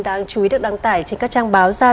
đáng chú ý được đăng tải trên các trang báo ra